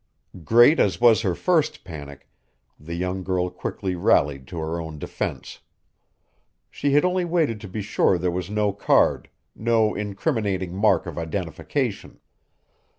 Great as was her first panic, the young girl quickly rallied to her own defense. She had only waited to be sure there was no card, no incriminating mark of identification.